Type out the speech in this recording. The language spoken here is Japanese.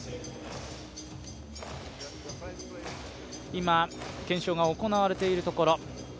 今、検証が行われているところ。